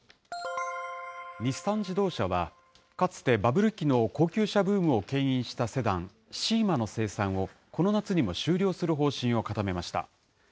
日産自動車は、かつてバブル期の高級車ブームをけん引したセダン、シーマの生産をこの夏にも終了する方針を固めました。